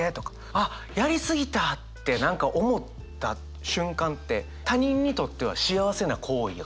あっやり過ぎたって何か思った瞬間って他人にとっては幸せな行為やから。